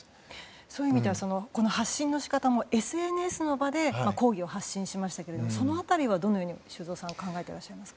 そういう意味では発信の仕方もＳＮＳの場で抗議を発信しましたけどその辺りはどう、修造さん考えてらっしゃいますか。